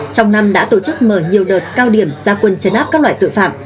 trong năm đã tổ chức mở nhiều đợt cao điểm gia quân chấn áp các loại tội phạm